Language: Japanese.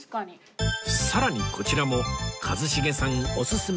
さらにこちらも一茂さんおすすめのエビチリ